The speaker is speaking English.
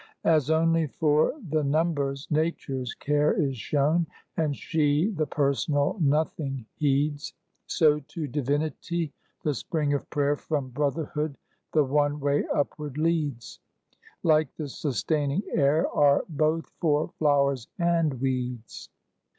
As only for the numbers Nature's care Is shown, and she the personal nothing heeds, So to Divinity the spring of prayer From brotherhood the one way upward leads. Like the sustaining air Are both for flowers and weeds.